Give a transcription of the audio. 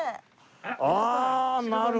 ああなるほど。